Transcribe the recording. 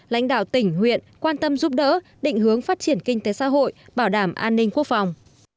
lãnh đạo tỉnh huyện quan tâm giúp đỡ định hướng phát triển kinh tế xã hội bảo đảm an ninh quốc phòng